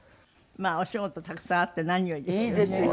まあお仕事たくさんあってなによりですよね。